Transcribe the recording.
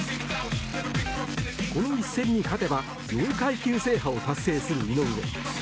この一戦に勝てば４階級制覇を達成する井上。